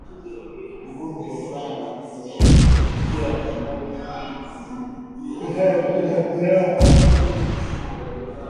nguvu kutokana na kutoweza kula kwasababu ya kukosa furaha